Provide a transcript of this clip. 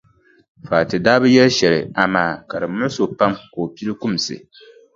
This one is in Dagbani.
Fati daa bi yɛli shɛli amaa ka di muɣisi o pam ka o pili kumsi.